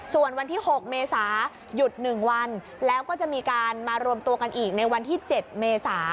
ส่วนวันที่๖เมษาหยุด๑วันแล้วก็จะมีการมารวมตัวกันอีกในวันที่๗เมษา